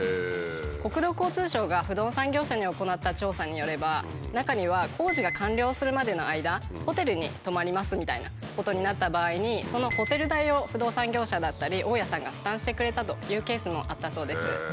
国土交通省が不動産業者に行った調査によれば中には工事が完了するまでの間ホテルに泊まりますみたいなことになった場合にそのホテル代を不動産業者だったり大家さんが負担してくれたというケースもあったそうです。